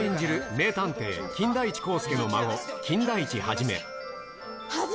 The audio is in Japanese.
名探偵、金田一耕助の孫、金田一一。